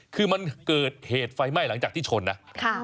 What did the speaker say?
คือมันเกิดเหตุไฟไหม้หลังจากที่ชนนะเอามาไว้ที่นี้